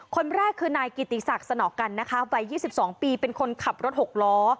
คนแรกคือนายกิติศักดิ์สนอกกันนะคะวัย๒๒ปีเป็นคนขับรถหกล้อ